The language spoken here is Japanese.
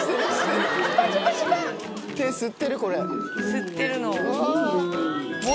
吸ってるの。